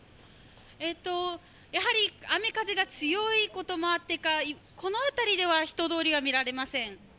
やはり雨風が強いこともあってか、この辺りでは人通りはみられません。